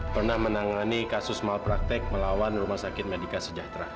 pernah menangani kasus malpraktek melawan rumah sakit medika sejahtera